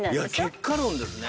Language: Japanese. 結果論ですね。